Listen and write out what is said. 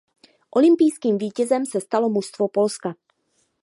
Olympijským vítězem se stalo mužstvo Polska.